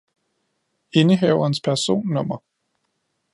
Indehaverens personnummer